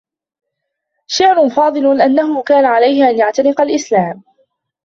شعر فاضل أنّه كان عليه أن يعتنق الإسلام.